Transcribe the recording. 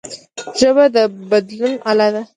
ژبه د بدلون اله ده